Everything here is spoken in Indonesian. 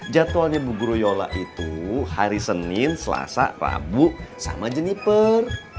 jadwalnya bu buroyola itu hari senin selasa rabu sama jeniper